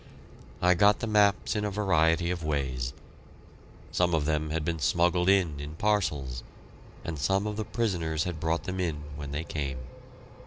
I got the maps in a variety of ways. Some of them had been smuggled in in parcels, and some of the prisoners had brought them in when they came.